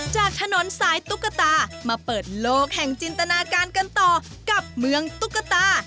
จากถนนสายตุ๊กตามาเปิดโลกแห่งจินตนาการกันต่อกับเมืองตุ๊กตา